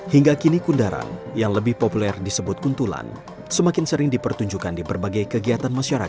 hingga kini kundaran yang lebih populer disebut kuntulan semakin sering dipertunjukkan di berbagai kegiatan masyarakat